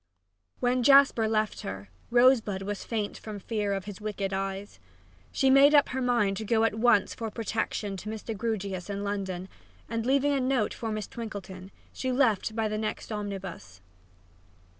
When Jasper left her, Rosebud was faint from fear of his wicked eyes. She made up her mind to go at once for protection to Mr. Grewgious in London, and, leaving a note for Miss Twinkleton, she left by the next omnibus.